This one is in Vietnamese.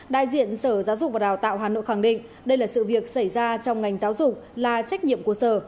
đại diện sở giáo dục và đào tạo hà nội khẳng định đây là sự việc xảy ra trong ngành giáo dục là trách nhiệm của sở